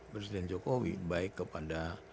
presiden jokowi baik kepada